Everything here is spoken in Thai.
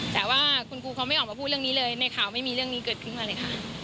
แต่ว่าคุณครูเขาไม่ออกมาพูดเรื่องนี้เลยในข่าวไม่มีเรื่องนี้เกิดขึ้นมาเลยค่ะ